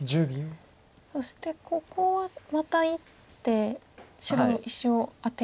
そしてここはまた１手白の石をアテるぐらい。